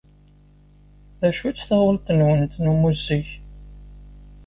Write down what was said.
D acu-tt taɣult-nwent n ummuzzeg?